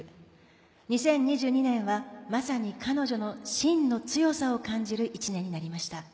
２０２２年はまさに彼女の真の強さを感じる１年になりました。